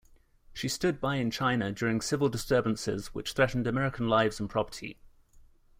She stood by in China during civil disturbances which threatened American lives and property.